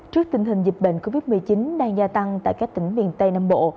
trước tình hình dịch bệnh covid một mươi chín đang gia tăng tại các tỉnh miền tây nam bộ